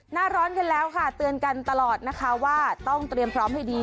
หน้าร้อนกันแล้วค่ะเตือนกันตลอดนะคะว่าต้องเตรียมพร้อมให้ดี